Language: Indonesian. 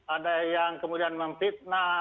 ada yang kemudian memfitnah